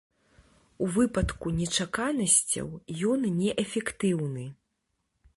У выпадку нечаканасцяў, ён неэфектыўны.